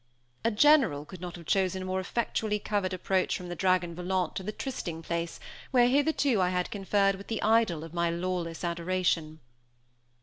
A general could not have chosen a more effectually covered approach from the Dragon Volant to the trysting place where hitherto I had conferred with the idol of my lawless adoration.